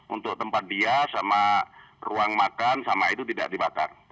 untuk tempat dia sama ruang makan sama itu tidak dibakar